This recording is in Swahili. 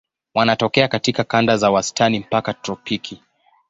Wanatokea katika kanda za wastani mpaka tropiki.